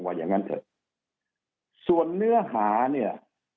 อย่างนั้นเถอะส่วนเนื้อหาเนี่ย